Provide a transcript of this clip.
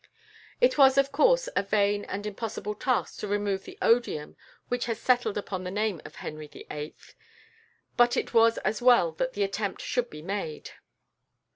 It was, of course, a vain and impossible task to remove the odium which has settled upon the name of Henry VIII.; but it was as well that the attempt should be made.